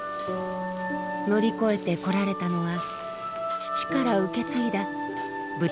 乗り越えてこられたのは父から受け継いだ豚